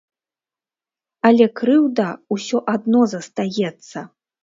Але крыўда ўсё адно застаецца.